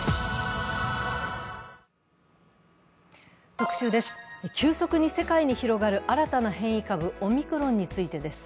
特集です、急速に世界に広がる新たな変異株、オミクロン株についてです。